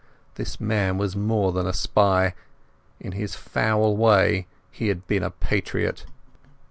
This man was more than a spy; in his foul way he had been a patriot.